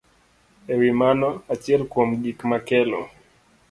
E wi mano, achiel kuom gik makelo